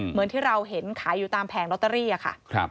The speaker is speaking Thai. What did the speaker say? เหมือนที่เราเห็นขายอยู่ตามแผงลอตเตอรี่ค่ะ